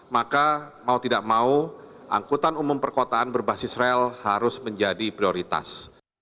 maka mau tidak mau angkutan umum perkotaan berbasis rel harus menjadi prioritas